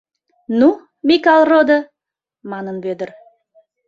— Ну, Микал родо! — манын Вӧдыр.